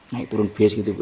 naik turun bis gitu ya